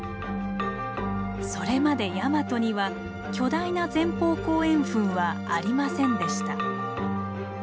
それまでヤマトには巨大な前方後円墳はありませんでした。